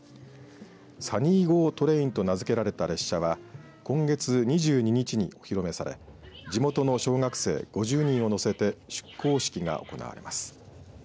サニー号トレインと名付けられた列車は今月２２日にお披露目され地元の小学生５０人を乗せて出航式が行われます。